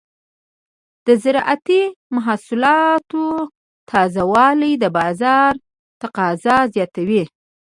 د زراعتي محصولاتو تازه والي د بازار تقاضا زیاتوي.